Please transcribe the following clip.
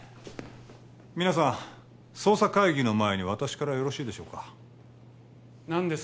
皆さん捜査会議の前に私からよろしいでしょうか何です？